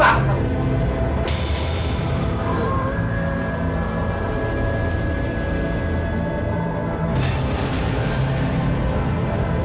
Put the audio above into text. ada apa sih